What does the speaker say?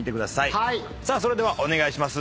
さあそれではお願いします。